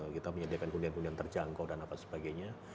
kita menyediakan keundian keundian terjangkau dan apa sebagainya